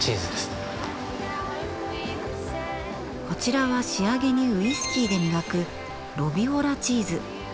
こちらは仕上げにウイスキーで磨くロビオラチーズ。